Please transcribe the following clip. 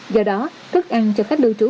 do đó thức ăn cho khách lưu trú